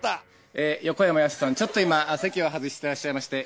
横山やすしさん、ちょっと今、席を外してらっしゃいまして。